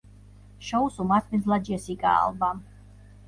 შოუს უმასპინძლა ჯესიკა ალბამ.